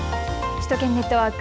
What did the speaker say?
首都圏ネットワーク。